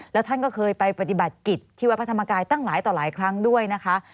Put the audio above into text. แล้วท่านก็เคยไปปฏิบัติกิจที่วัดพระธรรมกายตั้งหลายต่อหลายครั้งด้วยนะคะ